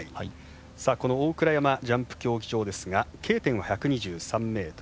この大倉山ジャンプ競技場ですがＫ点は１２３ｍ。